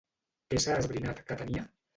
Què s'ha esbrinat que tenia?